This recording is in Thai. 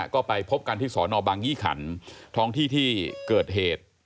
ก็ไปพบกันที่สอนอบางยี่ขันท้องที่ที่เกิดเหตุ